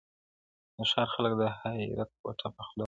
د ښار خلک د حیرت ګوته په خوله وه-